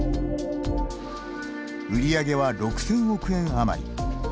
売り上げは６０００億円余り。